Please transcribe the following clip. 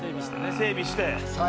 「整備して」